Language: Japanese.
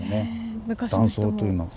断層というのを。